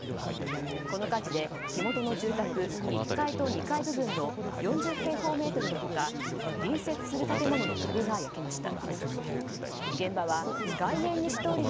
この火事で火元の住宅１階と２階部分の４０平方メートルの他隣接する建物の壁が焼けました。